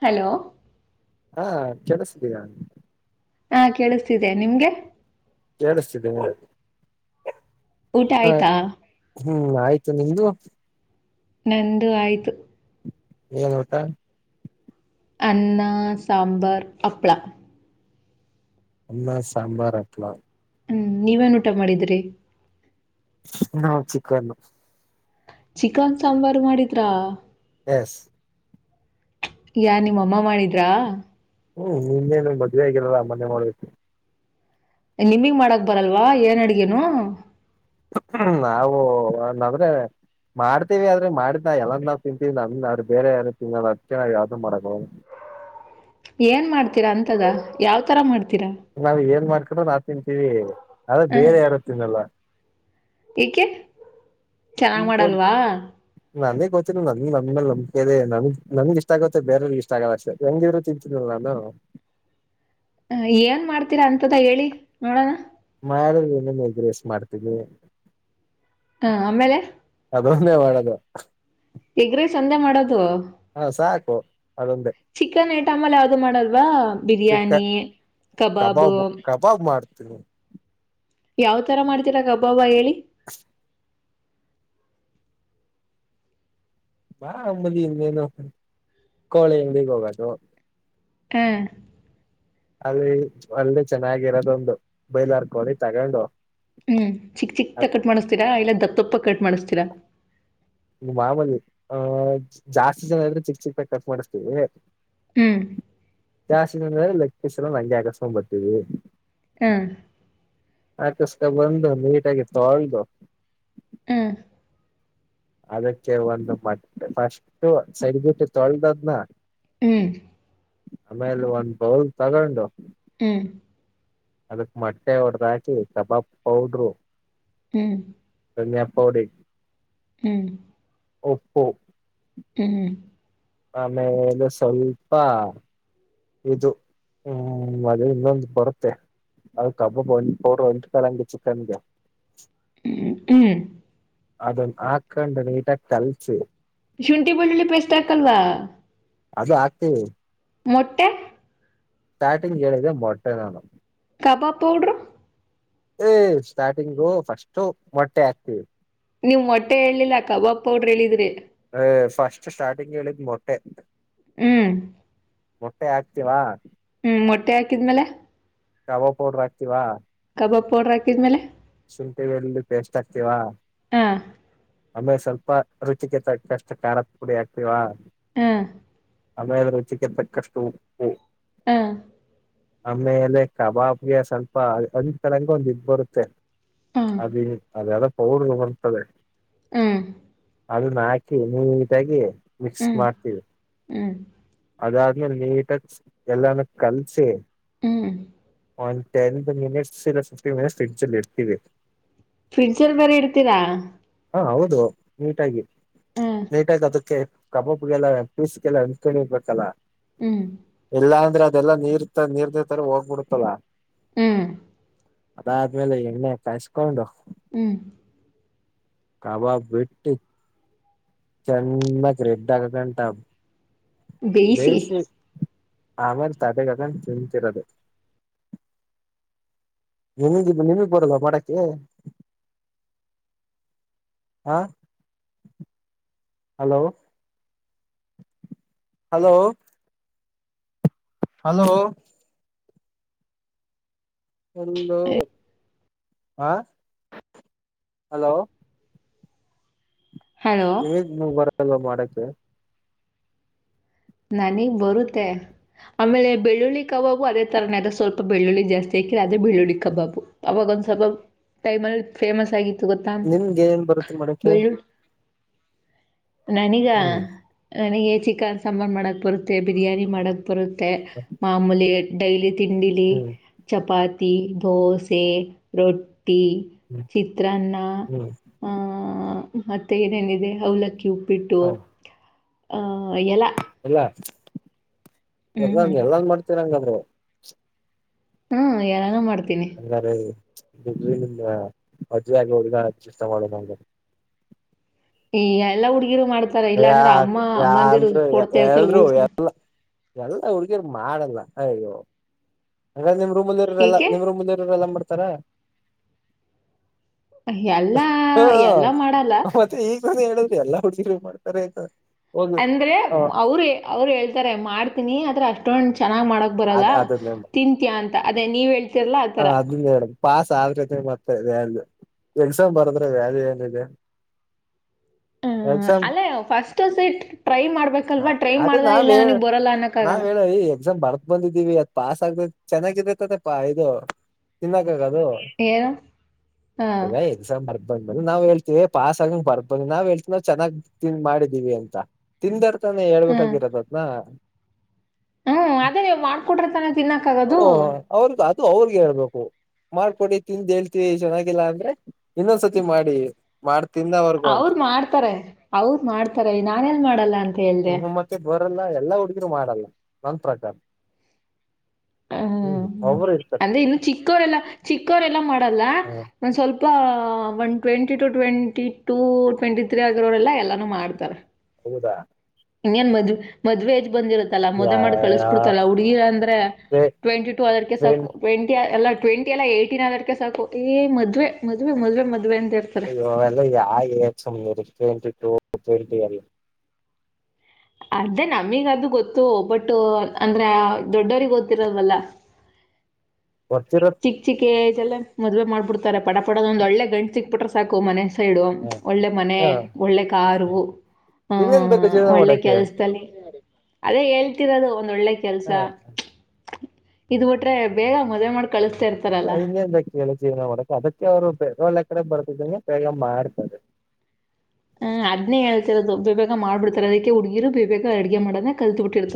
Hello ಹಾ, ಕೇಳಸ್ತಿದಿಯ? ಹಾ ಕೇಳಿಸ್ತಿದೆ, ನಿಮ್ಗೆ? ಕೇಳಿಸ್ತಿದೆ ಮ [unintelligible] ಊಟ ಹ ಆಯ್ತಾ ಹ್ಮ್ ಆಯ್ತು, ನಿಮ್ದು? ನಂದು ಆಯ್ತು. ಏನ್ ಊಟಾ? ಅನ್ನ, ಸಾಂಬಾರ್, ಹಪ್ಳ. ಅನ್ನ, ಸಾಂಬಾರ್, ಹಪ್ಪಳ ಹ್ಮ, ನೀವೇನ್ ಊಟ ಮಾಡಿದ್ರಿ? ನಾವು ಚಿಕನ್ನು. ಚಿಕನ್ ಸಾಂಬಾರ್ ಮಾಡಿದ್ರಾ ಎಸ್ ಯಾರು ನಿಮ್ಮ ಅಮ್ಮ ಮಾಡಿದ್ರಾ ಹ್ಮ್ ನಿನ್ನೇನು ಮದ್ವೆ ಆಗಿಲ್ಲಲ್ಲ ಅಮ್ಮನೆ ಮಾಡ್ಬೇಕು ನಿಮಗ್ ಮಾಡಕ್ ಬರಲ್ವಾ ಏನ್ ಅಡ್ಗೇನು ಹ್ಮ್ ನಾವುಂದ್ರೆ ಮಾಡ್ತೀವಿ ಆದ್ರೆ ಮಾಡಿದ್ ನಾ ಎಲ್ಲಂದ ನಾವ್ ತಿಂತೀವಿ ನಮ್ರ ಬೇರೆ ಯಾರ ತಿನ್ನ ಅದಕ್ಕೆ ನಾವ್ ಯಾವ್ದ ಮಾಡಕ ಏನ್ ಮಾಡ್ತೀರಾ ಅಂತದ ಯಾವ್ ತರ ಮಾಡ್ತ ನಾವ್ ಏನ್ ಮಾಡ್ವಿ [unintelligible] [inaudible] ತಿಂತೀರಿ ಅದು ಹ್ಮ್ ಬೇರೆ ಯಾರು ತಿನ್ನಲ್ಲ ಏಕೆ ಚೆನ್ನಾಗ್ ಮಾಡಲ್ವಾ ನಾನೇ ಗೊತ್ತನ ನನ್ ನಮ್ಮೇಲ್ ನಂಬದೆ ನನ್ ನನ್ಗೆ ಇಷ್ಟ ಆಗತ್ತೆ ಬೇರೆಯವಗ ಇಷ್ಟ ಆಗಲ್ಲ ಅಷ್ಟೆ ಹೆಂಗ ಇವ್ರು ತಿಂತನಿಲ್ಲ ನಾನು ಏನ್ ಮಾಡ್ತೀರಾ ಅಂತದ ಹೇಳಿ ನೋಡೋಣ ನಾ ಹೇಳ [unintelligible] ಎಗ್ರೇಸ್ ಮಾಡ್ತೀವಿ ಹಾ ಆಮೇಲೆ ಅದೊನ್ನೇ ಮಾಡದು ಎಗ್ರೀ ಸಂಧೆ ಮಾಡೋದು ಸಾಕು ಅದೊಂದೇ ಚಿಕನ್ ಐಟಮ್ ಅಲ್ಲಿ ಯಾವ್ದು ಮಾಡಲ್ವಾ ಚಿಕ್ಕ ಬಿರಿಯಾನಿ ಕಬಾಬು ಹ ಹ ಯಾವ್ ತರ ಮಾಡ್ತಿೀರ ಗಬ್ಬಾಬ್ಬ ಹೇಳಿ [inaudible] ಬಾ ಅಮ್ಮದಿ [unintelligible] ದೇನು ಕೋಳೆ ಎಗ್ ಹೋಗದು ಹ್ ಅದ ಒಳ್ಳೆ ಚೆನ್ನಾಗಿರೋದೊಂದು ಬೈಲರ್ಕೊಳ್ಳಿ ತಗೊಂಡು ಹ್ಮ್ ಚಿಕ್ ಚಿಕ್ ತ ಕಟ್ ಮಾಡಿಸ್ತೀರಾ ಇಲ್ಲ ದತ್ತಪ್ಪ ಕಟ್ ಮಾಡಸ್ತೀಾ ತರ ಮಾಮೂಲಿ ಆಹ ಜಾಸ್ತಿ ಜನ ಇದ್ರೆ ಚಿಕ್ ಚಿಕ್ಕನ ಕಟ್ ಮಾಡಿಸ್ತೀವಿ ಹ್ಮ ಜಾಸತಿನಂದ ಲೆಕ್ಕಸಲ ಲಜ ಆಕಸ ಪಟ್ಟಿದೆ ಹಾ ಆಕಸ್ಕ ಬಂದು ನೀಟಾಗಿ ತೊಳದು ಹ್ಮ್ ಅದಕ್ಕೆ ಒಂದು ಮಟ್ಟೆ ಫಸ್ಟ್ ಸರಿಬಿಟ್ಟೆ ತೊಳೆದದ್ನ ಹ್ಮ್ ಆಮೇಲೆ ಒಂದ್ ಬೌಲ್ ತಗೊಂಡು ಹ್ಮ್ ಅದಕ್ ಮೊಟ್ಟೆ ಹೊಡದ್ ಹಾಕಿ ಕಬಾಬ್ ಪೌಡ್ರು ಹ್ಮ್ [unintelligible] ಪ್ಪಡಿ ಹ್ಮ್ ಒಪ್ಪೋ ಹ್ಮ್ ಆಮೇಲೆ ಸ್ವಲ್ಪ ಇದು ಹ್ಮ್ ಮದ ಇನ್ನೊಂದು ಬರುತ್ತೆ ಅದು ಕಬಾಬ್ ಒರು ಎಂಟ ಕಾಲಂಗೆ ಚಿಕನ್ಗೆ ಹ್ಮ್ ಹ್ಮ ಅದನ್ನ ಹಾಕೊಂಡು ನೀಟಾಗಿ ಕಲ್ಸು ಶುಂಠಿ ಬೆಳ್ಳುಳ್ಳಿ ಪೇಸ್ಟ್ ಹಾಕಲ್ವ? ಅದು ಹಾಕ್ತೀವಿ ಮೊಟ್ಟೆ? ಸ್ಟಾರ್ಟಿಂಗ್ ಹೇಳಿದೆ ಮೊಟ್ಟೆ ನಾನು ಕಬಾಬ್ ಪೌಡರು? ಏ, ಸ್ಟಾರ್ಟಿಂಗು ಫಸ್ಟು ಮೊಟ್ಟೆ ಹಾಕ್ತೀವಿ ನೀವ್ ಮೊಟ್ಟೆ ಹೇಳಲಿಲ್ಲ, ಕಬಾಬ್ ಪೌಡ್ರ ಹೇಳಿದ್ರಿ ಏ.. ಫಸ್ಟ್ ಸ್ಟಾರ್ಟಿಂಗ್ ಹೇಳಿದ್ ಮೊಟ್ಟೆ ಹ್ಮ್ ಮೊಟ್ಟೆ ಹಾಕ್ತಿವಾ ಹ್ಮ್ ಮೊಟ್ಟೆ ಹಾಕಿದ್ಮೇಲೆ? ಕಬಾಬ್ ಪೌಡ್ರ ಹಾಕ್ತೀವ ಕಬಾಬ್ ಪೌಡರ್ ಹಾಕಿದ ಮೇಲೆ? ಶುಂಠಿ ಬೆಳ್ಳುಳ್ಳಿ ಪೇಸ್ಟ್ ಹಾಕ್ತೀವ. ಹಾ ಆಮೇಲೆ ಸ್ವಲ್ಪ ರುಚಿಗೆ ತಕ್ಕಷ್ಟು ಖಾರದ ಪುಡಿ ಹಾಕ್ತಿವಾ ಹಾ ಆಮೇಲೆ ರುಚಿಗೆ ತಕ್ಕಷ್ಟು ಉಪ್ಪು ಹಾ ಆಮೇಲೆ ಕಬಾಬ್ಗೆ ಸ್ವಲ್ಪ, ಒಂದ್ ತರಂಗ, ಒಂದ ಇದ್ ಬರುತ್ತೆ ಹ್ಮ್ ಅದ [unintelligible] ಪೌಡರು ಬರ್ತದೆ ಹ್ಮ್ ಅದನ್ನ ಹಾಕಿ ನೀಟಾಗಿ ಮಿಕ್ಸ್ ಹ್ಮ್ ಮಾಡ್ತೀವಿ. ಹ್ಮ್ ಅದಾದ ನೀಟಾಗಿ ಎಲ್ಲಾನ ಕಲ್ಸಿ ಹ್ಮ್ ಒಂದು ಟೆನ್ ಮಿನಿಟ್ಸ್ ಇಲ್ಲ ಫಿಫ್ಟೀನ್ ಮಿನಿಟ್ಸ್ ಫ್ರಿಡ್ಜಲ್ಲಿ ಇಡ್ತೀವಿ ಇದೆ ಫ್ರಿಡ್ಜಲ್ಲಿ ಬೇರೆ ಇಡ್ತೀರಾ? ಹಾ ಹೌದು ನೀಟಾಗಿ ಹ್ಮ್ ಲೇಟಾಗ ಅದಕ್ಕೆ ಕಬಾಬಗೆಲ್ಲ ಪೀಸ್ಗೆಲ್ಲ ಅಂಟ್ಕೊಂಡು ಇರ್ಬೇಕಲ್ಲ ಹ್ಮ್ ಇಲ್ಲ ಅಂದ್ರ ಇದೆಲ್ಲಾ ನೀರ್ತ ನೀರ್ ತರ ಹೋಗ್ಬಿಡ್ತಲ್ಲ ಹ್ಮ್ ಅದಾದ್ಮೇಲೆ ಎಣ್ಣೆ ಕಾಯಸ್ಕೊಂಡು ಹ್ಮ್ ಕಬಾಬ್ ಬಿಟ್ಟು ಚೆನ್ನಾಗ ರೆಡ್ ಆಗಗಂಟ ಬೇಯಿಸಿ ಆಮೇಲೆ ತಟೆಗಕ್ಕಂಡು ತಿಂತಿರದು ನಿಮಗ, ನಿಮಗ್ ಬರಲ್ಲ ಮಾಡಕ್ಕೆ? ಹಾ hello hello hello hello ಆ ಹಲೋ ಹಲೋ ಇ ನ ಬರ ಲ್ಲ ಮಾಡಕ್ಕೆ ನನಗ್ ಬರುತ್ತೆ ಆಮೇಲೆ ಬೆಳ್ಳುಳ್ಳಿ ಕಬಾಬು ಅದೇ ತರನ ಸ್ವಲ್ಪ ಬೆಳ್ಳುಳ್ಳಿ ಜಾಸ್ತಿ ಹಾಕಿರ ಅದೆ ಬೆಳ್ಳುಳ್ಳಿ ಕಬಾಬು ಅವಾಗ ಒಂದ್ ಸ್ವಲ್ಪ ಟೈಮಲ್ಲಿ ಫೇಮಸ್ ಆಗಿತ್ತು ಗೊತ್ತಾ ನಿಮ್ಗೆ ಏನ್ ಬರುತ್ತೆ ಮಾಡಕೆ ನನಿಗ ತ ನಿ ಯೇ ಚಿಕನ್ ಸಾಂಬಾರು ಮಾಡೋಕ್ಕೆ ಬರುತ್ತೆ ಬಿರಿಯಾನಿ ಮಾಡೋ ಬರುತ್ತೆ ಮಾಮೂಲಿ ಡೈಲಿ ತಿಂಡಿಲಿ ಹ್ಮ್ ಚಪಾತ್ ತಿಂದ್ ದೋಸೆ ರೋಟಿ ತಿಂದ್ ಹ್ಮ್ ಚಿತ್ರಾನ್ನ ಹ್ಮ್ ಹು ಹು ಹೂ ಮತ್ತೆ ಏನೇನಿದೆ ಅವಲಕ್ಕ್ಯೂ ಉಪ್ಪಿಟ್ಟು ಹಹ ಎಲ್ಲ ಇಲ್ಲ ಹ್ಞೂ ಎಲ್ಲ ಎಲ್ಲಂದ್ ಮಾಡ್ತವಿ ಅಂಗಂದ್ರೆ ಹ್ಮ ಯಾರಲ್ಲ ಮಾಡಿ ಅಲ್ಲಾರೆ ನಿಮ್ಮ ಮದ್ವೆ ಆಗ ಹೋಗಗ ಕೆಷ್ಟ [unintelligible] ಮಾಡೋಣ ಹಾಗಂಗ್ರ ಹೇ ಎಲ್ಲ ಹುಡಿ ಯಾ ಯಂದರು ಕೊಡ್ತಾ ಇರ್ತಾರೆ ಎಲ್ರು ಗೂಳ್ಸ್ನ ಎಲ್ಲ ಎಲ್ ಹುಡುಗಿಯರು ಮಾಡಲ್ಲ ಅಯ್ಯೋ ಹಾಗ ನಿಮ್ ಏಕೆ ರಲ್ಲವರು ಮುರಲ್ಲ ಮಾಡ್ ತರ ಎಲ್ಲಾ ಎಲ್ಲಾ ಮಾಡಲ್ಲ ಮತ್ತೆ ಈಗ ನಾನು ಹೇಳಿದ್ರೆ ಎಲ್ಲಾ ಹುಡುಗಿರು ಮಾಡ್ತಾರೆ ಆಯ್ತಾ ಅಂದ್ರೆ ಅವರು ಅವ್ರು ಹೇಳ್ತಾರೆ ಮಾಡ್ತೀನಿ ಮಾತ್ರ ಚ [unintelligible] ಚೆನ್ನಾಗ್ ಮಾಡಕ್ ಬರಲ್ಲ ಅದ್ ಅದನ್ನೇ ತಿಂತೀಯಾ ಅಂತ ಅದೇ ನೀವು ಹೇಳ್ತಿರಲ್ಲಾ ಹ ಅದ ಹೇಳ್ ಪಾಸ್ ಆದ್ರೆ ಮತ್ತೆ ವ್ಯಾಲ್ಯ ಎಕ್ಸಾಮ್ ಬರದ್ರೆ ವ್ಯಾಲ್ಯೂ ಏನಿದೆ ಹ್ಮ್ ಎಕ್ಸಾಮ್ ಅಲ್ಲೇ ಫಸ್ಟ್ ಸಟ್ ಟ್ರೈ ಮಾಡ್ಬೇಕಲ್ವಾ ಟ್ರೈ ಅದ ಮಾಡ್ದ ನಾವ್ ಇಲ್ಲ ಹೇಳ ನನಗ್ ಬರಲ್ಲ ಅನ್ನಕ್ಕ ನಾವ್ ಆಗಲ್ಲ ಹೇಳ ಈ ಎಕ್ಸಾಮ್ ಬರ್ದ್ ಬಂದಿದ್ದೀವಿ ಅದ್ ಪಾಸ್ ಆಗ್ಬೇಕ ಚೆನ್ನಾಗಿದೈತದ ಪಾ ಇದು ಇ [unintelligible] ದು [unintelligible] ಏನು ಹಾಂ ಈಗ ಎಕ್ಸಾಮ್ ಮಾಡರ್ಬ ಬಂದ ಮ್ರ ನಾವ್ ಹೇಳ್ತಿವಿ ಪಾಸ್ ಆಗಂಗ ಬರ್ಬನ್ನಿ ನಾವ್ ಹೇಳ್ತ ನಾವ್ ಚೆನ್ನಾಗ [unintelligible] ದನ್ ಮಾಡಿದಿವವಿ ಅಂತ ತಿಂದರ್ [unintelligible] ನೆ ಹೇಳಬೇಕಾಗಿರೋದ್ದನ ಹ್ಮ್ ಅದೇ ನೀವು ಮಾಡ್ಕೊಟ್ರ ತನ ತಿನ್ನಕ್ಕ ಆಗದು ಹೌ ಹೇಳ್ಬೇಕು ಮಾಡ್ಕೊಡಿ ತಿಂದ ಹೇಳ್ತಿವಿ ಚೆನ್ನಾಗಿಲ್ಲ ಅಂದ್ರೆ ಇನ್ನೊಂದ್ಸತಿ ಮಾಡಿ ಮಾಡ್ ಅವ್ರ ಮಾಡ್ತಾರೆ ಅವ್ರ ಮಾಡ್ತಾರೆ ನಾನ ಎಲ್ ಮಾಡಲ್ಲ ಅಂತ ಹೇಳ್ದ ಹ್ಮ್ ಮತ್ತೆ ಬರಲ್ಲ ಎಲ್ಲಾ ಹುಡ್ಗಿರು ಮಾಡಲ್ಲ ನನ್ ಪ್ರಕಾರ ಹ್ಮ್ ಒಬರು ಇರ್ತಾರೆ ಚಿಕ್ಕರೆ ಎಲ್ಲ ಚಿಕ್ಕರೆ ಎಲ್ಲ ಮಾಡ [unintelligible] ಲ್ಲ ಹ್ಮ ಒ ಸ್ವಲ್ಪ [unintelligible] ಸ್ one twenty two twenty two twenty three ಆಗಿರೋರೆಲ್ಲ ಎಲ್ಲಾನು ಮಾಡ್ತಾರೆ ಹೌದಾ ಇನ್ ಮಧೆ ಮಧುವೆಜ [unintelligible] ಬಂದಿರತ್ತಲ್ಲ ಮದೆ ಯಾ ಮಾಡಿ ಕಳಿಸ್ ಬಿಡತಲ್ಲ ಹುಗಿ ಅಂದ್ರೆ ಟ್ವೆಂಟಿ ಟು ಅದ ಸಾಕು ಟ್ವೆಂಟಿ ಎಲ್ಲ ಟ್ವೆಂಟಿ ಎಲ್ಲಏಯ್ಟೀನ್ ಅದರ್ಕ್ಕೆ ಸಾಕು ಏ ಮದ್ವೆ ಮದ್ವೆ ಮದುವೆ ಮದ್ವೆ ಅಂತ [unintelligible] ಅಯಲ್ಲ ಯ ಸನೂ [unintelligible] ಟ್ವೆಂಟಿ ಟು ಟ್ವೆಂಟಿ ಒನ್ ಅದೇ ನಮಗ ಅದು ಗೊತ್ತು ಬಟ್ ಅಂದ್ರ ದೊಡ್ಡವ್ರ ಗೊತ್ತಿರಲ್ವಲ್ಲ ಗೊತ್ತಿರ ಚಿಕ್ ಚಿಕೆ [unintelligible] ಲ್ಲ ಮದ್ವೆ ಮಾಡ್ಬಿಡ್ತಾರೆ ಪಡ ಪೋದ ಒಂದ ಒಳ್ಳೆ ಗಂಡು ಸಿಕ್ಬಿಟ್ರೆ ಸಾಕು ಮನೆ [unintelligible] ಸೈಡು ಹ ಒಳ್ಳೆ ಮನೆ ಒಳ್ಳೆ ಕಾರು ಇನ್ನೇನ್ ಬೇಕು ಆಹ್ ಜೀವನ ಒಳ್ಳೆ ಮಾಡಕ್ಕೆ ಕೆಲ್ಸದಲ್ಲಿ ಅದೇ ಹೇಳ್ತಿರೋದು ಒಂದ ಒಳ್ಳೆ ಕೆಲ್ಸ ಹ ಇದು ಒಟ್ರೆ ಬೇಗ ಮದ್ವೆ ಮಾಡ್ [unintelligible] ಕಳಿಸಿ ಇನ್ನೆಂದಕ್ಕೆ ಎಲ್ಲ ಜೀವನ ಮಾಡಕ ಅದಕ್ಕೆ ಅವರು ಒಳ್ಳೆ ಕಡೆ ಬರ್ತಿದ್ದನ ಬೇಗ ಮಾಡ್ತಾರೆ ಹ್ ಅದ್ನೇ ಹೇಳ್ತರದು ಬೇ ಬೇಗ ಮಾಡ್ಬಿಡ್ತಾರ ಅದಕ್ಕೆ ಹುಡ್ಗಿರು ಬೇ ಬೇಗ ಅಡ್ಗೆ ಮಾಡೋದ [unintelligible]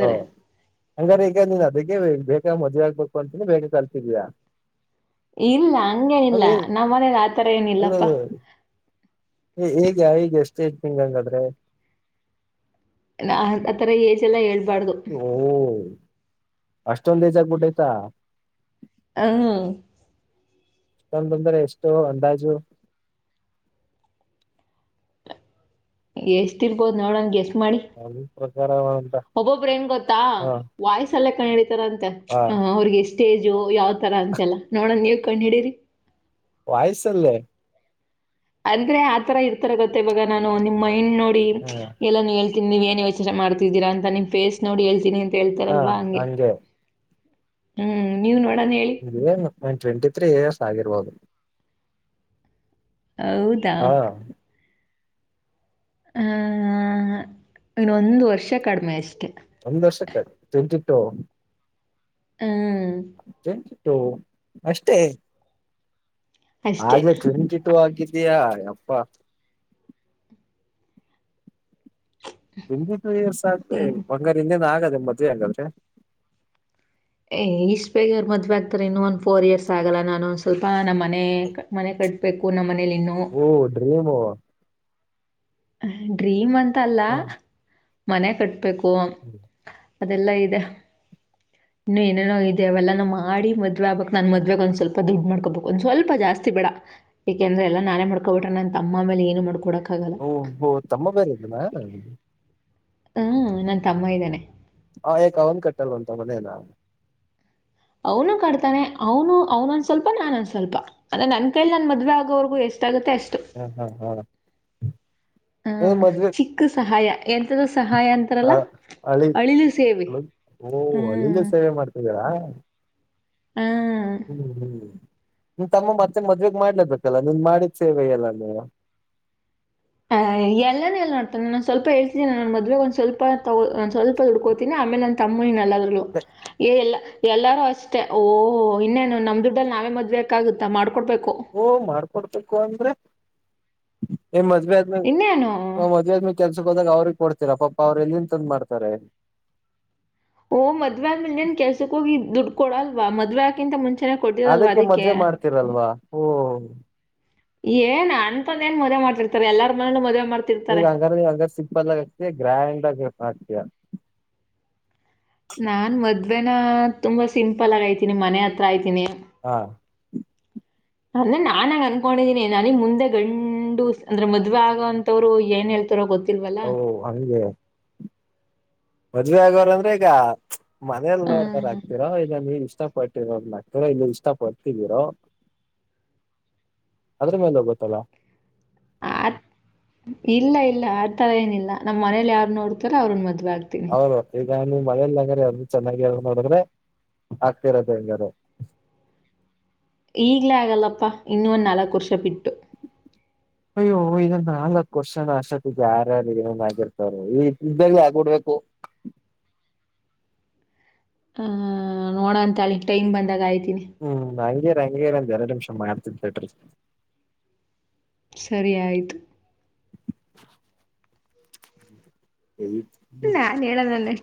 ಹಓ ಹಂಗಾರೆ ಈಗ ನೀನ್ ಅದಕ್ಕೆ ಬೇಕ ಬ ಮದುವೆ ಆಗ್ಬೇಕು ಅಂತನೆ ಬೇಗ ಕಲ್ತಿದ್ಯಾ ಇಲ್ಲ ಹಂಗೇನಲ್ಲ, ನಮ್ಮ ಮನೆಗ್ ಆತರ ಅಲ್ಲಿ ಏನಿಲ್ಲಪ್ಪ ಈಗ ಹೇಗೆ ಎಷ್ಟೈತೇ ಹಂಗಾದ್ರೆ ನಾ ಅತರ ಏಜ್ ಎಲ್ಲಾ ಹೇಳ್ ಓ ಅಷ್ಟೊಂದ ಏಜ್ ಆಗ್ಬಿಟ್ಟೈತಾ ಹ್ಮ್ ಎಷ್ಟೊಂದ ಅಂದರೆೆ ಎಷ್ಟು ಅಂದಾಜು? ಎಷ್ಟು ಇರ್ಬೋದು ನೋಡನ್ ಗೆಸ್ ಮಾಡಿ ನನ್ ಪ್ರಕಾರ ಅಂತ ಒಬ್ಬೊಬ್ಬ್ರ ಹೆಂಗ್ ಗೊತ್ತಾ ಹ ವಾಯ್ಸಲ್ಲೇ ಕಂಡ್ ಹಿಡಿತರೆ ಅಂತೆ, ಹ ಅವ್ರಿಗೆ ಎಷ್ಟ ಸ್ಟೇಜು, ಯಾವ್ ತರ ಅಂತೆಲ್ಲ, ನೋಡನ್ ನೀವ ಕಂಡ್ ಹಿಡೀರಿ ವಾಯಸಲ್ಲೇ ಅಂದ್ರೆ ಆತರ ಇರ್ತಾರ ಗೊತ್ತ, ಇವಾಗ ನಾನು ನಿಮ್ಮ ಇಂಡ್ ನೋಡಿ ಹ್ಮ ಎಲ್ಲ ಹೇಳ್ ನೀವ ಏನ್ ಯೋಚನೆ ಮಾಡ್ತಿದ್ದೀರ ಅಂತ ನಿಮ್ ಫೇಸ್ ನೋಡಿ ಹೇಳ್ತೀನಿ ಹಾ ಹಂಗೆ ಹ್ಮ್ ನೀವ್ ನೋಡ ಇದ್ ಒನ್ ಟ್ವೆಂಟಿ ಇಯರ್ಸ್ ಆಗಿರ್ಬೋದು ಹೌದಾ ಹಾ ಹ ಇನ್ನೊಂದ್ ವರ್ಷ ಕಡಿಮೆ ಅಷ್ಟೆ ಒಂದ್ ವರ್ಷ ಕ ಟ್ವೆಂಟಿ ಟು ಹ್ಮ [unintelligible] ಓ.. ಅಷ್ಟೇ ಅಷ್ಟೇ ಆದ್ರೆ ಟ್ವೆಂಟಿ ಟೂ ಆಗಿ ಇದಯಾ ಯಪ್ಪಾ ಟ್ವೆಂಟಿ ಟು ಇಯರ್ಸ್ ಆಗದೆ ಹ್ಮ್ ಹಂಗಾದ್ರೆ ಇನ್ನೇನ್ ಆಗತ್ತ ಮದ್ವೆ ಹಂಗಾದ್ರೆ ಏ್ ಇಷ್ಟ್ ಬೇಗ್ ಯಾರ್ ಮದ್ವೆ ಆಗ್ತರೆ? ಇನ್ನು ಒಂದ್ ಫೋರ್ ಇಯರ್ಸ್ ಆಗಲ್ಲ, ನಾನು ಒಂದ್ ಸ್ವಲ್ಪ ನಮ್ಮ ಮನೆ ಮ- ಬೇಕು ನ ಓ ಡ್ರೀಮೂ ಡ್ರೀಮ್ ಅಂತ ಅಲ್ಲ ಮನೆ ಕಟ್ಟ [unintelligible] ಬೇಕು ಅದೆಲ್ಲಾ ಇದೆ ಇನ್ನು ಏನೇನೋ ಇದೆ ಅವೆಲ್ಲಾನ ಮಾಡಿ ಮದ್ವೆ ಆಗ್ಬೇಕಕ್ ನಾನ್ ಮದ್ವೆಗ ಒಂದ್ ಸ್ವಲ್ಪ ದುಡ್ಡು ಮಾಡ್ಕೋಬೇಕಕ್ ಒಂದ್ ಸ್ವಲ್ಪ ಜಾಸ್ತಿ ಬೇಡ ಯಾಕೆಂದ್ರೆ ಎಲ್ಲಾ ನಾನೇ ಮಾಡ್ಕೊಬಿಟ ನನ್ ತಮ್ಮ ಮೇಲೆ ಏನು ಮಾಡ್ಕೊಡಕ್ ಹಾಗಲ್ಲ ಒಬ್ಬ ತಮ್ಮ ಬೇರೆ ಇದನಾ ಹ್ಮ ನನ್ ತಮ್ಮ ಇದ್ದೇನೆ ಹಾ ಅವಂತ ಕಟ್ಟಲ್ವಂತ ಮನೆ ನ ಅವನು ಕಡ್ತಾನೆ ಅವನು ಅವನೊಂದ ಸ್ವಲ್ಪ ನಾನೊಂದು ಸ್ವಲ್ಪ ಅಂದೆ ನನ್ ಕೈಲಿ ನನ್ ಮದ್ವೆ ಆಗೋವರ್ಗೂ ಎಷ್ಟಾಗುತ್ತೆ ಅಷ್ಟು ಹ್ಮ್ ಹ್ಮ್ ಹ್ಮ ಹ್ಮ ಚಿಕ್ಕ ಸಹಾಯ ಎಂತದ ಸಹಾಯ ಅಂತಾರಲ್ಲ ಹಳಿ ಅಳಿಲು ಸೇವೆ ಓ ಹಳಿಲಿ ಹ್ಮ ಸೇವೆ ಮಾಡ್ತಿದ್ದೀರಾ ಹ್ಮ್ ಹ್ಮ್ [unintelligible] [unintelligible] ನಿ ತಮ್ಮ ಮತ್ತೇನ್ ಮದ್ವೆಗ್ ಮಾಡ್ಲೇಬೇಕಲ್ಲ ನೀನ್ ಮಾಡಿದ ಸೇವೆ ಎಲ್ಲ ನೀ ಆ ಎಲ್ಲಾನ ಎ ನೋಡ್ತಾನ ನಾನು ಸ್ವಲ್ಪ ಹೇಳ್ತೀನಿ ನೊ ಮದ್ವೆಗ್ ಒಂದ ಸ್ವಲ್ ತೊ ಒಂದ ಸ್ವಲ್ಪದುಡ್ಕೋತೀನಿ ಆಲೆ ನನ್ ತಮ್ಮನಿಲ್ಲ ಏ ಎಲ್ಲ ಎಲ್ಲಾರೂ ಅಷ್ಟೇ ಓಹ ಇನ್ನೇನು ನಮ್ ದುಡ್ಡಲ್ಲಿ ನಾವೇ ಮದ್ಬೇಕಾಗುತ್ತಾ ಮಾಡ್ಕೊಡ್ಬೇಕ ಓ ಮಾಡ್ಕೊಡ್ಬೇಕು ಅಂದ್ರೆ ಹ್ಮ [unintelligible] ಮದ್ವೆ ಆದ್ಮ ಇನ್ನೇನು ಮದ್ವೆ ಆದ್ಮಿ ಕೆಲ್ಸ ಹೋದಾಗ ಅವ್ರ ಕೊಡ್ತೀರಾ ಪಾಪ ಅವ್ರ ಎಲ್ಲಿಂತಂದ್ ಮಾಡ್ತಾರೆ ಕೊಡ ಅಲ್ವಾ ಮದ್ವೆ ಆಗೋಕಿಂತ ಮುಂಚೆ ಅದಕ್ಕೆ ಮದ್ವೆ ಮಾಡ್ತಿರಲ್ವಾ ಹಓ. ಏನ್ ಅಂತಂದ ಏನ್ ಮದ್ ಮಾಡತಿರ್ತಾರೆ ಎಲ್ಲರ ಮನೇ ಮದೆ. ಈಗ ಹಂಗಾರ ಹಂಗ ಸಿಗ್ಬಲ್ ಆತ್ತೆ ಗ್ರ್ಯಾಂಡ್ ಆಗತ್ತೆ. ಅ [unintelligible] ನಾನ್ ಮದ್ವೆನ ತುಂಬಾ ಸಿಂಪಲ್ ಆಗಯ್ತೀನಿ ಮನೆ ಹತ್ರ ಐತಿನಿ ಹಾ. ಅಂದ್ರ ನಾನಾಗ ಅನ್ಕೊಂಡಿದೀನಿ ನನಗ್ ಮುಂದೆ ಗಂಡು ಅಂದ್ರೆ ಮದ್ವೆ ಆಗೋಂತವ್ರು ಏನ್ ಹೇಳ್ತಾರೋ ಗೊತ್ತ. ಓ ಹಗೆ. ಮದ್ವೆ ಆಗೋರ ಅಂದ್ರೆ ಈಗ. ಮನೇಲಿ ನೋಡ್ತಾರ ಆಹ್, ಹಕ್ತೀರಾ ಈಗ ನೀ ಇಷ್ಟ. ಇಷ್ಟಪಟ್ಟರೋ ಇಲ್ಲಿ ಇಷ್ಟಪಟ್ಟಿದೀರೋ ಅದ್ರ ಮಂದ ಗೊತ್ತಲ್ಲ. ಇಲ್ಲ ಇಲ್ಲ ಆ ತರ ಏನಿಲ್ಲ ನಮ್ಮ್ ಮನೇಲಿ ಯಾರ ನೋಡ್ತಾರೋ ಅವ್ರನ್ ಮದ್. ದ ಆ್ತನಿ. ನಾನು ಮಳೆಯಲ್ಲಂಗ್ರ ಯಾರು ಚೆನ್ನಾಗಿ ನೋಡಿದ್ರೆ ಆಗ್ತಿರತ್ತೆ ಹೆಂಗಾರ. ಈಗ್ಲೇ ಆಗಲ್ಲಪ್ಪಾ ಇನ್ನೊಂದ್ ನಾಲ್ಕು ವರ್ಷ ಬಿಟ್ಟು. ಅ್ಯ ಇದನ್ ನಾಲ್ಕಕ್ ವರ್ಷನ ಅಷ್ಟೊತ್ತಿಗೆ ಯಾರ್ಯಾರು ಏಂದ ಆಗರ್ತವ್ರ ಈ್ದಾಗ ಆಗ್ಡ್ಬೇಕು. ನೋಣ ತಾಳಿ ಟೈಮ್ ಬಂದಾಗಯ್ ಹ್ಮ್ ಹಂಗೆ ಹಂಗೆ ಇರ್ ಒಂದ್ ಎರ್ಡ ನಿಮಿಷ ಮಾಡ್ತನ್ ತಡ್ರಿ ಸರಿ ಆಯ್ತು. ಹ್ಮ [unintelligible] ನಾನ್ ಹೇಳದಲ್ಲನೆ